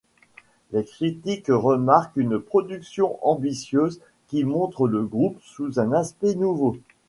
Les critiques remarquent une production ambitieuse qui montre le groupe sous un aspect nouveau.